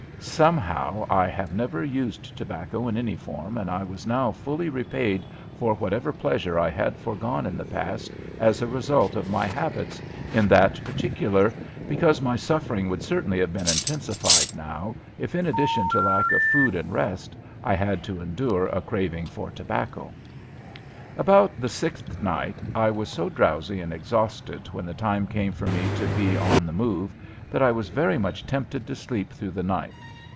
Somehow I have never used tobacco in any form and I was now fully repaid for whatever pleasure I had foregone in the past as a result of my habits in that particular, because my sufferings would certainly have been intensified now if in addition to lack of food and rest I had had to endure a craving for tobacco. About the sixth night I was so drowsy and exhausted when the time came for me to be on the move that I was very much tempted to sleep through the night.